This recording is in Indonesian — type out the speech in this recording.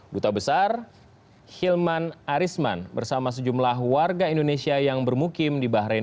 duta besar hilman arisman bersama sejumlah warga indonesia yang bermukim di bahrain